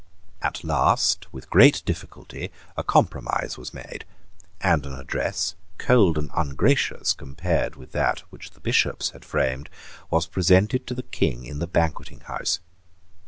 At last, with great difficulty, a compromise was made; and an address, cold and ungracious compared with that which the Bishops had framed, was presented to the King in the Banqueting House.